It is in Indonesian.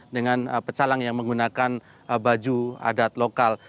dengan pecalang yang menggunakan baju adat lokal